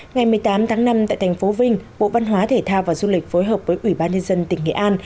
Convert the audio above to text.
ngày một mươi tám tháng năm tại thành phố vinh bộ văn hóa thể thao và du lịch phối hợp với ủy ban nhân dân tỉnh nghệ an